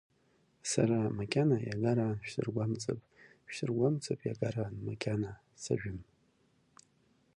Сара макьана иагараан шәсыргәамҵып, шәсыргәамҵып иагараан макьана сажәым.